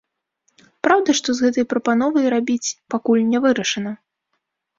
Праўда, што з гэтай прапановай рабіць, пакуль не вырашана.